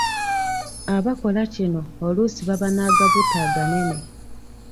Abakola kino oluusi baba n’agabuto aganene.